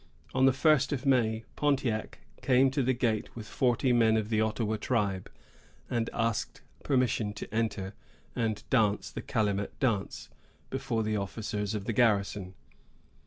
On the first of May, Pontiac came to the gate with forty men of the Ottawa tribe, and asked permission to enter and dance the calumet dance, before the officers of the garrison.